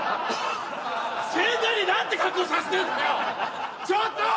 先代に何て格好させてんだよちょっと！